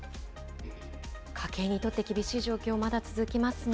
家計にとって、厳しい状況まだ続きますね。